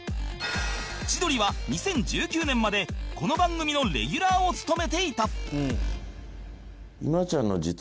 千鳥は２０１９年までこの番組のレギュラーを務めていた